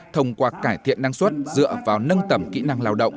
thông qua cải thiện năng suất dựa vào nâng tầm kỹ năng lao động